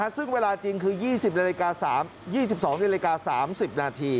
ซึ่งเวลาจริงคือ๒๐น๓๒๒น๓๐น